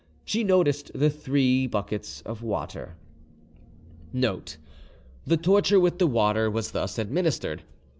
She noticed the three buckets of water [Note: The torture with the water was thus administered.